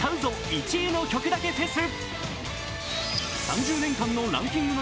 １位の曲だけフェス」。